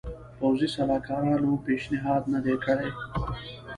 پوځي سلاکارانو پېشنهاد نه دی کړی.